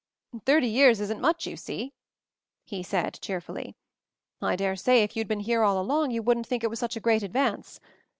"Thirty years isn't much, you see," he said cheerfully. "I dare say if you'd been here all along you wouldn't think it was such a great advance.